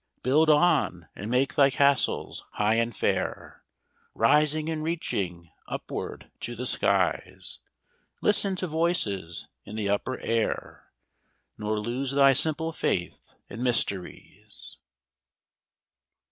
Build on, and make thy castles high and fair, Rising and reaching upward to the skies; Listen to voices in the upper air, Nor lose thy simple faith in mysteries.